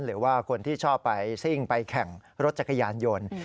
หรือว่าคนที่ชอบไปซิ่งไปแข่งรถจักรยานยนต์